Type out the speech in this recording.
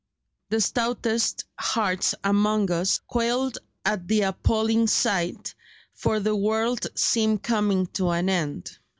The stoutest hearts among us quailed at the appalling sight, for the world seemed coming to an end."